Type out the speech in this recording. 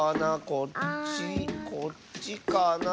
こっちこっちかな。